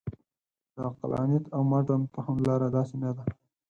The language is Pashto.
د عقلانیت او مډرن فهم لاره داسې نه ده.